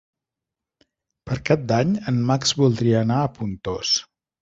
Per Cap d'Any en Max voldria anar a Pontós.